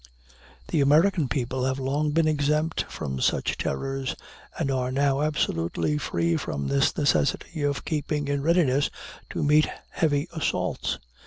The American people have long been exempt from such terrors, and are now absolutely free from this necessity of keeping in readiness to meet heavy assaults.